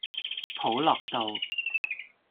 普樂道